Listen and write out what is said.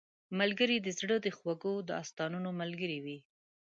ملګری د زړه د خوږو داستانونو ملګری وي